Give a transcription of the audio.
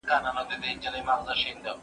زه اوس د لوبو لپاره وخت نيسم!!